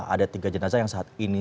ada tiga jenazah yang saat ini